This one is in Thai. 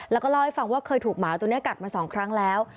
แล้วก็เล่าให้ฟังว่าเคยถูกหมาตัวนี้กัดมา๒ครั้งแล้ว